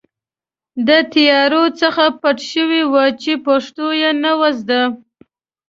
د طیارو څخه پټ شوي وو چې پښتو یې نه وه زده.